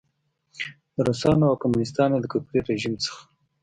د روسانو او کمونیسټانو د کفري رژیم څخه.